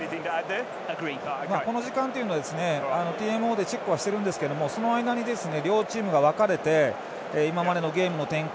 この時間は、ＴＭＯでチェックしてはいるんですけどその間に両チームが分かれて今までのゲームの展開